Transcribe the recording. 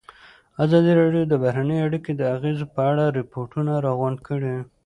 ازادي راډیو د بهرنۍ اړیکې د اغېزو په اړه ریپوټونه راغونډ کړي.